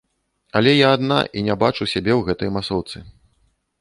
Але я адна, і не бачу сябе ў гэтай масоўцы.